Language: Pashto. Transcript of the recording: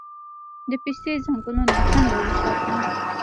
د پستې ځنګلونه څنګه وساتو؟